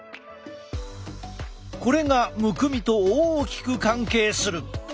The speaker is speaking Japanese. これがむくみと大きく関係する！